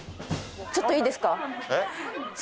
ちょっといいですか？